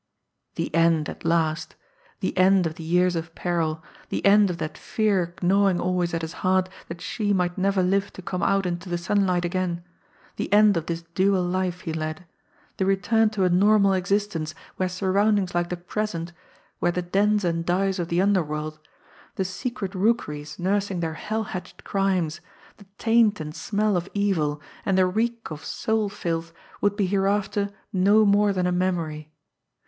The end at last! The end of the years of peril; the end of that fear gnawing always at his heart that she might never live to come out into the sunlight again; the end of this dual life he led; the return to a normal existence where surroundings like the present, where the dens and dives of the underworld, the secret rookeries nursing their hell hatched crimes, the taint and smell of evil, and the reek of soul filth would be hereafter no more than a memory!